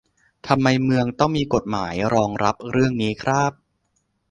ทำไมเมืองต้องมีกฎหมายรองรับเรื่องนี้คร้าบ